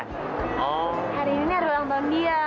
hari ini ada ulang tahun dia